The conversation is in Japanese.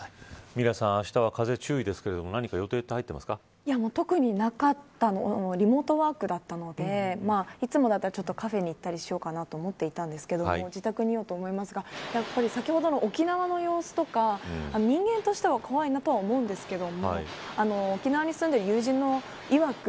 ミラさんあしたは風注意ですけど特になくてリモートワークだったのでいつもだったらカフェに行ったりしようと思っていたんですけど自宅にいようと思いますが先ほどの沖縄の様子とか人間としては怖いなとは思うんですけど沖縄に住んでいる友人いわく